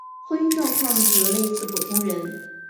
婚姻状况则类似普通人。